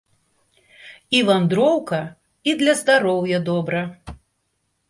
І вандроўка, і для здароўя добра.